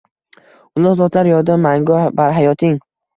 Ulug‘ zotlar yodi mangu barhayotng